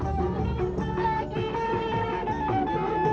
ada aja halangan